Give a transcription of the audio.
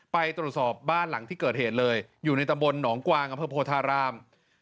ไปตรวจสอบบ้านหลังที่เกิดเหตุเลยอยู่ในตำบลหนองกวางอำเภอโพธาราม